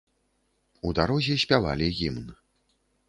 У дарозе спявалі гімн.